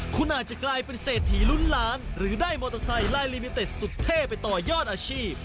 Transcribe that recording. คุณอาจจะกลายเป็นเศรษฐีลุ้นล้านหรือได้มอเตอร์ไซค์ลายลิมิเต็ดสุดเท่ไปต่อยอดอาชีพ